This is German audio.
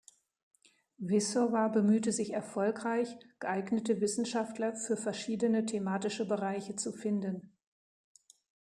Wissowa bemühte sich erfolgreich, geeignete Wissenschaftler für verschiedene thematische Bereiche zu finden.